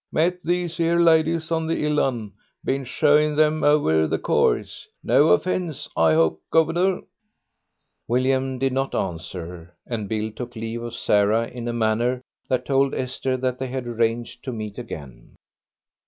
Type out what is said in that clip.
"Met these 'ere ladies on the 'ill an' been showing them over the course. No offence, I hope, guv'nor?" William did not answer, and Bill took leave of Sarah in a manner that told Esther that they had arranged to meet again.